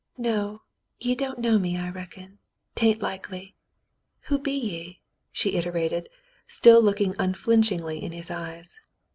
"No, ye don't know me, I reckon. 'Tain't likely. Wlio be ye ?" she iterated, still looking unflinchingly in his eyes.